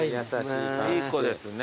いい子ですね。